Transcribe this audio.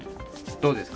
どうですか？